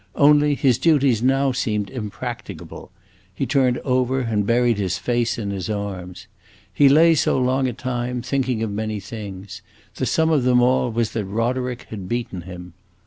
Only, his duties now seemed impracticable; he turned over and buried his face in his arms. He lay so a long time, thinking of many things; the sum of them all was that Roderick had beaten him.